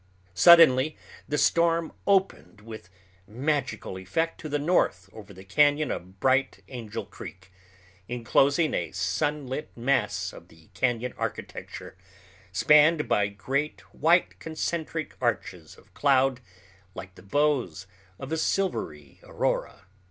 Suddenly the storm opened with magical effect to the north over the cañon of Bright Angel Creek, inclosing a sunlit mass of the cañon architecture, spanned by great white concentric arches of cloud like the bows of a silvery aurora.